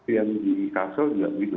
yang di kasus gitu